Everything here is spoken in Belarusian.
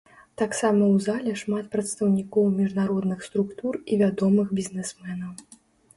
Таксама ў зале шмат прадстаўнікоў міжнародных структур і вядомых бізнесменаў.